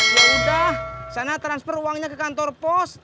yaudah sana transfer uangnya ke kantor pos